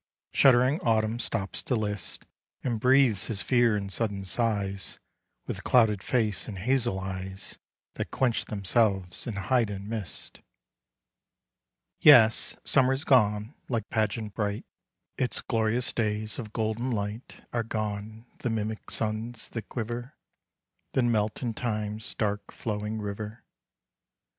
Shuddering Autumn stops to list, And breathes his fear in sudden sighs, With clouded face, and hazel eyes That quench themselves, and hide in mist. Yes, Summer's gone like pageant bright; Its glorious days of golden light Are gone the mimic suns that quiver, Then melt in Time's dark flowing river.